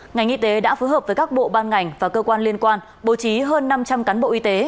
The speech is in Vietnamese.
ngành y tế đã phối hợp với các bộ ban ngành và cơ quan liên quan bố trí hơn năm trăm linh cán bộ y tế